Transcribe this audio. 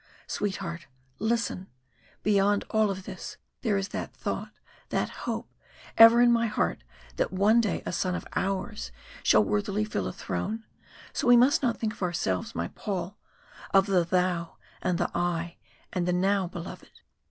"Sweetheart listen! Beyond all of this there is that thought, that hope, ever in my heart that one day a son of ours shall worthily fill a throne, so we must not think of ourselves, my Paul, of the Thou, and the I, and the Now, beloved.